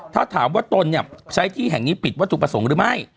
ถ้าถามว่าตนเนี่ยใช้ที่แห่งนี้ผิดวัตถุประสงค์หรือไม่